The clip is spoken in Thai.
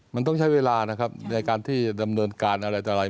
มันต้องใช้เวลาในการที่จะดำเนินการอะไรแล้ว